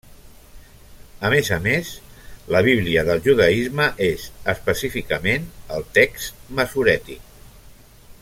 A més a més, la Bíblia del judaisme és específicament el Text Masorètic.